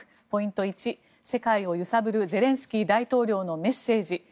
ポイント１、世界を揺さぶるゼレンスキー大統領のメッセージ。